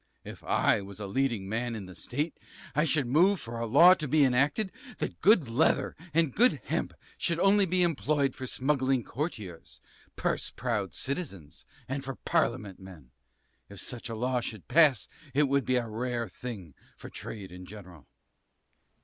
If I was a leading man in the state, I should move for a law to be enacted, that good leather and good hemp should only be employed for smuggling courtiers, purse proud citizens, and for parliament men if such a law should pass, it would be a rare thing for trade in general.